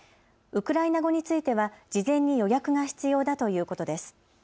ウクライナ語については事前に予約が必要だということです。